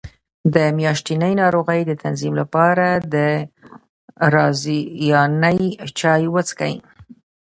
د میاشتنۍ ناروغۍ د تنظیم لپاره د رازیانې چای وڅښئ